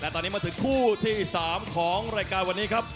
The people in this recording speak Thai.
ตอนนี้มาถึงคู่ที่๓ของรายการวันนี้ครับ